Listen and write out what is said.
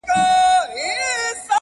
تور نصيب يې كړل په برخه دوږخونه!!..